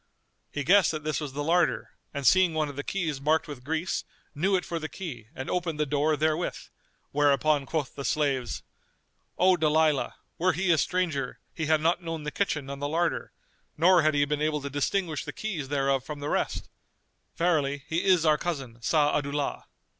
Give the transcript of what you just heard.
He guessed that this was the larder and seeing one of the keys marked with grease, knew it for the key and opened the door therewith; whereupon quoth the slaves, "O Dalilah, were he a stranger, he had not known the kitchen and the larder, nor had he been able to distinguish the keys thereof from the rest; verily, he is our cousin Sa'adu'llah."